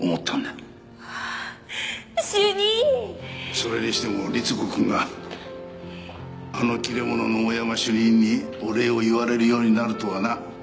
それにしてもりつ子くんがあのキレ者の大山主任にお礼を言われるようになるとはな。